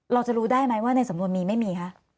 เราจะรู้ได้ไหมว่าในสำนวนมีไม่มีคะ